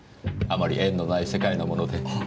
あまり縁のない世界なもので。